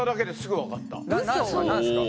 何ですか？